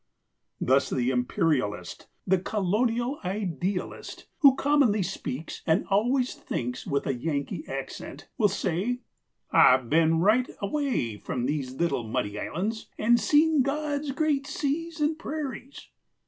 Thus the Imperialist, the Colonial idealist (who commonly speaks and always thinks with a Yankee accent) will say, "I've been right away from these little muddy islands, and seen God's great seas and prairies."